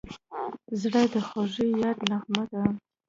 زړه د خوږې یاد نغمه ده.